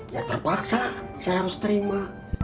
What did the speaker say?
ya terpaksa saya harus terima